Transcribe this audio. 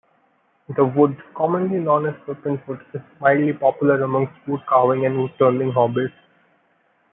The wood, commonly known as serpentwood, is mildly popular amongst woodcarving and woodturning hobbyists.